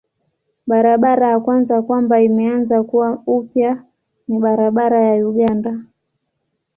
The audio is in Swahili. Barabara ya kwanza kwamba imeanza kuwa upya ni barabara ya Uganda.